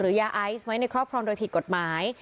ยาไอซ์ไว้ในครอบครองโดยผิดกฎหมาย